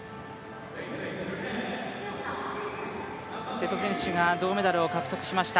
瀬戸選手が銅メダルを獲得しました。